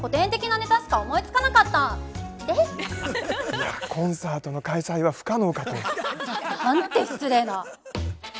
いやコンサートの開催は不可能かと。なんて失礼な！